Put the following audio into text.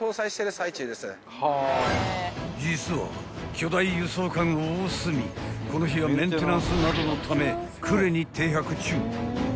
［実は巨大輸送艦おおすみこの日はメンテナンスなどのため呉に停泊中］